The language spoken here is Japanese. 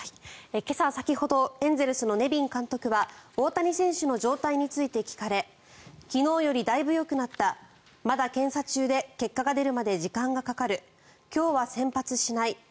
今朝、先ほどエンゼルスのネビン監督は大谷選手の状態について聞かれ昨日よりだいぶよくなったまだ検査中で結果が出るまで時間がかかる今日は先発しない。